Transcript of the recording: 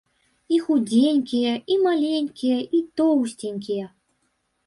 І худзенькія, і маленькія, і тоўсценькія.